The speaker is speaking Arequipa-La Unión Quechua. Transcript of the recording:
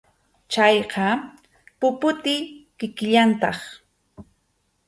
Chayqa puputi kikillantaq.